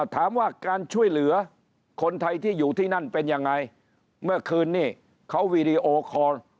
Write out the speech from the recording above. ถามว่าการช่วยเหลือคนไทยที่อยู่ที่นั่นเป็นยังไงเมื่อคืนนี้เขาวีดีโอคอร์